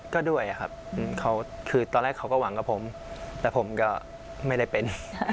ก็ด้วยครับคือตอนแรกเขาก็หวังกับผมแต่ผมก็ไม่ได้เป็น